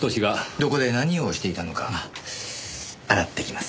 どこで何をしていたのか洗ってきます。